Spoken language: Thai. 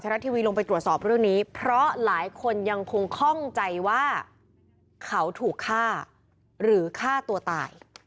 รัฐทีวีลงไปตรวจสอบเรื่องนี้เพราะหลายคนยังคงคล่องใจว่าเขาถูกฆ่าหรือฆ่าตัวตาย